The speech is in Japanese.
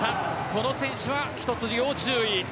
この選手は一つ要注意。